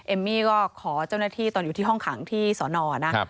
เอมมี่ก็ขอเจ้าหน้าที่ตอนอยู่ที่ห้องขังที่สอนอนะ